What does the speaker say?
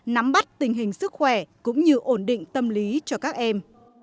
nắm bắt tình hình sức khỏe cũng như ổn định tâm lý cho các em